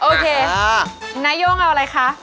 โอเคนาย่งเอาอะไรคะ